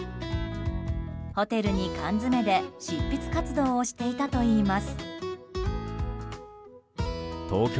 ホテルに缶詰めで執筆活動をしていたといいます。